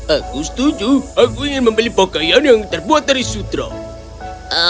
aku setuju aku ingin membeli pakaian yang terbuat dari sudro